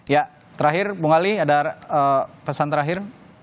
ya terakhir bung ali ada pesan terakhir